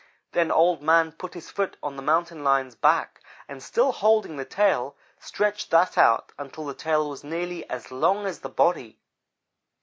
Then Old man put his foot on the Mountain lion's back, and, still holding the tail, stretched that out until the tail was nearly as long as the body.